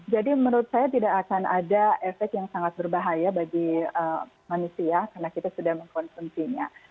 jadi menurut saya tidak akan ada efek yang sangat berbahaya bagi manusia karena kita sudah mengkonsumsinya